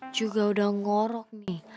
juga udah ngorok nih